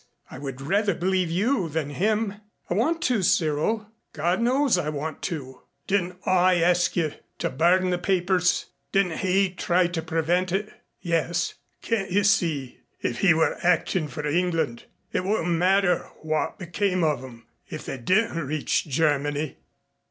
I would rather believe you than him. I want to, Cyril. God knows I want to." "Didn't I ask you to burn the papers? Didn't he try to prevent it?" "Yes." "Can't you see? If he were acting for England, it wouldn't matter what became of 'em if they didn't reach Germany."